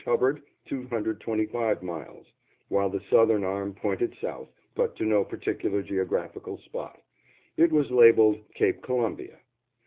Hubbard, 225 miles"; while the southern arm pointed south, but to no particular geographical spot; it was labeled "Cape Columbia."